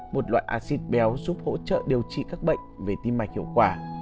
một loại acid béo giúp hỗ trợ điều trị các bệnh về tim mạch hiệu quả